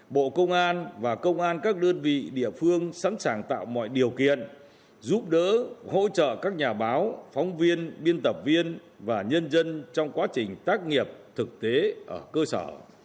bộ công an và công an các đơn vị địa phương sẵn sàng tạo mọi điều kiện giúp đỡ hỗ trợ các nhà báo phóng viên biên tập viên và nhân dân trong quá trình tác nghiệp thực tế ở cơ sở